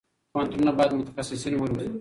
پوهنتونونه باید متخصصین وروزي.